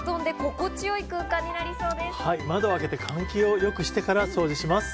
窓を開けて換気を良くしてから掃除します。